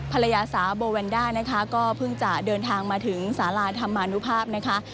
ภรรยาสาวโบแวนด้านะคะก็เพิ่งจะเดินทางมาถึงสาราธรรมนุภาพนะคะ